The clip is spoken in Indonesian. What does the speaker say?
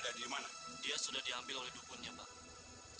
sejak dulu ibu memang curiga saat kamu mengikuti hadiah dengan mardi